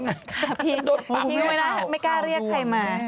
ทิ๊กไม่น่าไม่กล้าเรียกใครมา